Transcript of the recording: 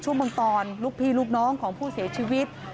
โชว์บ้านในพื้นที่เขารู้สึกยังไงกับเรื่องที่เกิดขึ้น